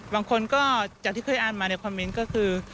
บางคนก็จากที่เคยอ่านมาในคอมเมนต์ก็คือ